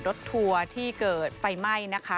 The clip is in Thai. ทัวร์ที่เกิดไฟไหม้นะคะ